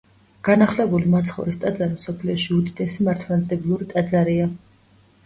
განახლებული მაცხოვრის ტაძარი მსოფლიოში უდიდესი მართლმადიდებლური ტაძარია.